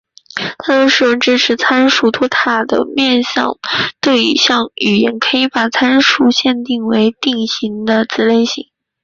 大多数支持参数多态的面向对象语言可以把参数限定为给定类型的子类型。